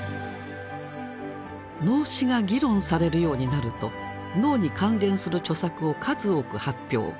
「脳死」が議論されるようになると脳に関連する著作を数多く発表。